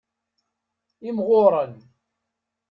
Imɣuren.